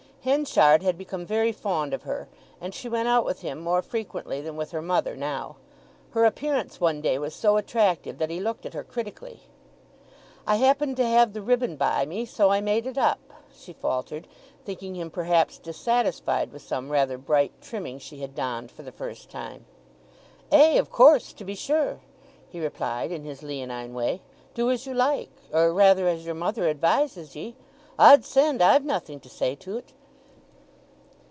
Henchard had become very fond of her, and she went out with him more frequently than with her mother now. Her appearance one day was so attractive that he looked at her critically. "I happened to have the ribbon by me, so I made it up," she faltered, thinking him perhaps dissatisfied with some rather bright trimming she had donned for the first time. "Ay—of course—to be sure," he replied in his leonine way. "Do as you like—or rather as your mother advises ye. 'Od send—I've nothing to say to't!"